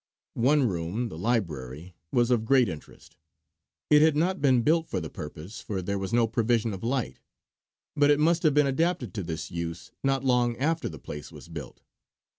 One room, the library, was of great interest. It had not been built for the purpose, for there was no provision of light; but it must have been adapted to this use not long after the place was built.